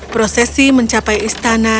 prosesi mencapai istana